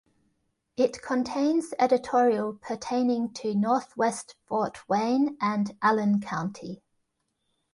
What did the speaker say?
It contains editorial pertaining to Northwest Fort Wayne and Allen County.